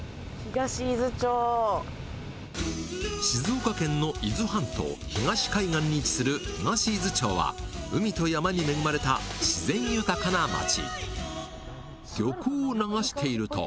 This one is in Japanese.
静岡県の伊豆半島、東海岸に位置する東伊豆町は、海と山に恵まれた自然豊かな町。